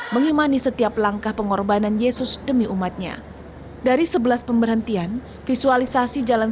mengimani setiap langkah pengorbanan yesus demi umatnya dari sebelas pemberhentian visualisasi jalan